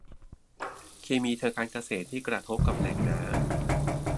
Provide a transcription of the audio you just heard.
เคมีทางการเกษตรที่กระทบกับแหล่งน้ำ